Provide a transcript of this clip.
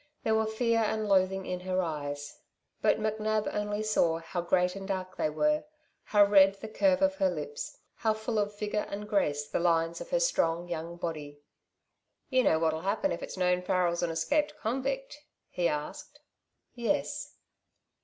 There were fear and loathing in her eyes. But McNab only saw how great and dark they were, how red the curve of her lips, how full of vigour and grace the lines of her strong, young body. "You know what'll happen if it's known Farrel's an escaped convict?" he asked. "Yes."